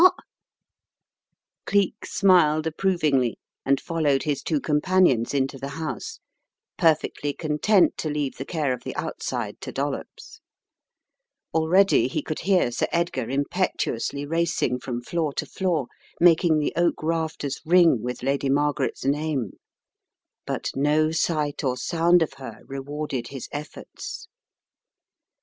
<< The House with the Shuttered Windows 107 Cleek smiled approvingly and followed his two companions into the house, perfectly content to leave the care of the outside to Dollops. Already he could hear Sir Edgar impetuously racing from floor to floor, making the oak rafters ring with Lady Margaret's name. But no sight or sound of her rewarded his efforts.